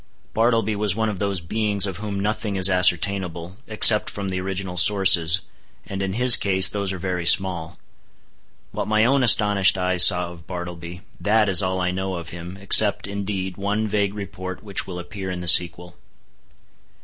Bartleby was one of those beings of whom nothing is ascertainable, except from the original sources, and in his case those are very small. What my own astonished eyes saw of Bartleby, that is all I know of him, except, indeed, one vague report which will appear in the sequel.